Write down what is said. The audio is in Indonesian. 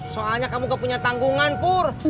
soalnya kamu gak punya tanggungan pur